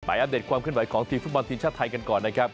อัปเดตความขึ้นไหวของทีมฟุตบอลทีมชาติไทยกันก่อนนะครับ